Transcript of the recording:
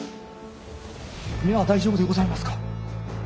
目は大丈夫でございますか？